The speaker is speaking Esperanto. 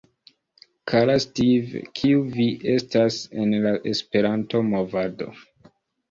Kara Steve, kiu vi estas en la Esperanto-movado?